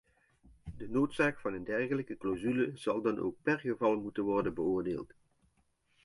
De noodzaak van een dergelijke clausule zal dan ook per geval moeten worden beoordeeld.